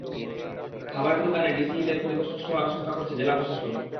খাবারের দোকান করলে ডিসি হিলের পরিবেশ নষ্ট হওয়ার আশঙ্কা করছে জেলা প্রশাসন।